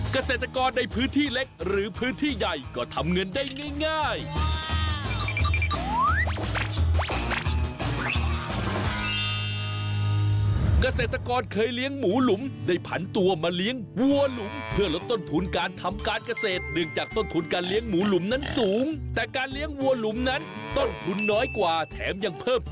เกษตรกรในพื้นที่เล็กหรือพื้นที่ใหญ่ก็ทำเงินได้ง่าย